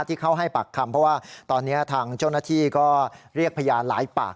ที่เข้าให้ปากคำเพราะว่าตอนนี้ทางเจ้าหน้าที่ก็เรียกพยานหลายปาก